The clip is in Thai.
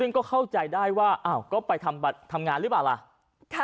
ซึ่งก็เข้าใจได้ว่าอ้าวก็ไปทำงานหรือเปล่าล่ะ